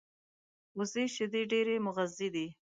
وزې شیدې ډېرې مغذي دي